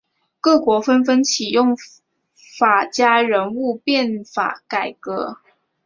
各国纷纷启用法家人物变法改革。